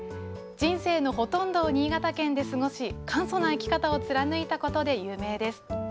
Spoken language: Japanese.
人生のほとんどを新潟県で過ごし、簡素な生き方を貫いたことで有名です。